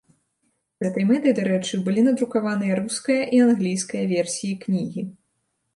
З гэтай мэтай, дарэчы, былі надрукаваныя руская і англійская версіі кнігі.